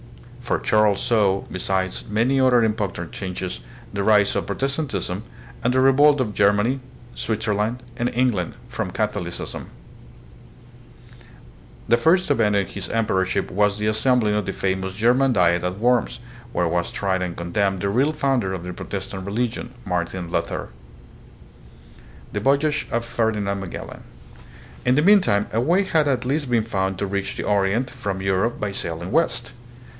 For Charles saw, besides many other important changes, the rise of Protestantism, and the revolt of Germany, Switzerland, and England from Catholicism. The first event in his emperorship was the assembling of the famous German Diet at Worms, where was tried and condemned the real founder of the Protestant religion, Martin Luther. The Voyage of Ferdinand Magellan. In the mean time a way had at last been found to reach the Orient from Europe by sailing west.